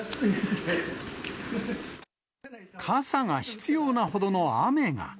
傘が必要なほどの雨が。